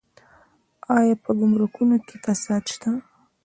آیا په ګمرکونو کې فساد شته؟